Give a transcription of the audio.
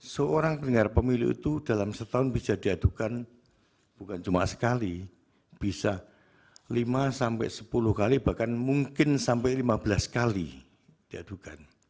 seorang penyelenggara pemilu itu dalam setahun bisa diadukan bukan cuma sekali bisa lima sampai sepuluh kali bahkan mungkin sampai lima belas kali diadukan